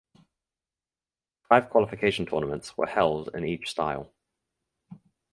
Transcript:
Five qualification tournaments were held in each style.